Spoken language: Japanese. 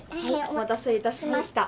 お待たせ致しました。